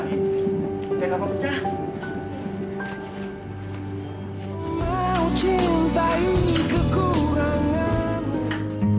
kayak apa pecah